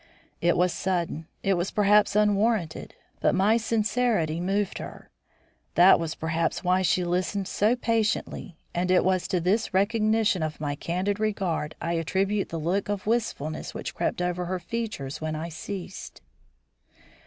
It was sudden; it was perhaps unwarranted; but my sincerity moved her. That was perhaps why she listened so patiently, and it was to this recognition of my candid regard I attribute the look of wistfulness which crept over her features when I ceased.